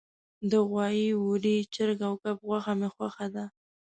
د غوایی، وری، چرګ او کب غوښه می خوښه ده